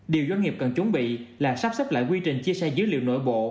điều doanh nghiệp cần chuẩn bị là sắp xếp lại quy trình chia sẻ dữ liệu nội bộ